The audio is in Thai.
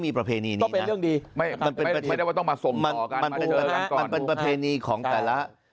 มีประเพณีนี้นะไม่ได้ว่าต้องมามันมันเป็นประเพณีของแต่ละ